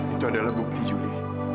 itu adalah bukti juli